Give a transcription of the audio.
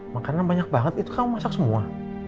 makanan banyak banget itu kamu masak semua